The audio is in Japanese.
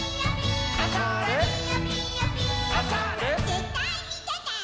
「ぜったいみてて」